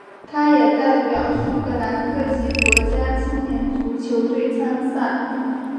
他也代表苏格兰各级国家青年足球队参赛。